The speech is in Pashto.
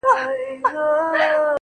كېداى سي بيا ديدن د سر په بيه وټاكل سي.